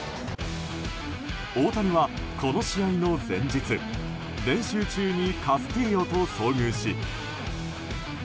大谷は、この試合の前日練習中にカスティーヨと遭遇し。